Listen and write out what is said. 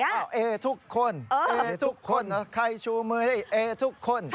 บอกเอ่ทุกคนเอ่ทุกคนขราบใครชูมือให้เอ่ทุกคน